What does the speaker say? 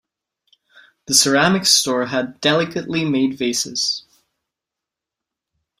The ceramics store had delicately made vases.